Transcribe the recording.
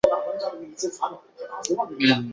后迁任司仆丞。